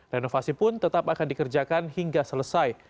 renovasi pun tetap akan dikerjakan hingga selesai